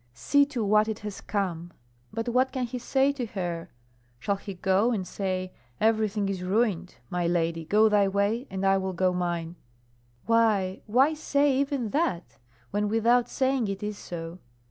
See to what it has come! But what can he say to her? Shall he go and say, "Everything is ruined; my lady, go thy way, I will go mine"? Why, why say even that, when without saying it is so?